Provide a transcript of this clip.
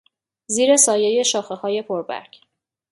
زیر سایهی شاخههای پربرگ